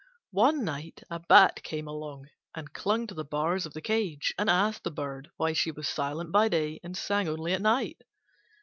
One night a Bat came and clung to the bars of the cage, and asked the Bird why she was silent by day and sang only at night.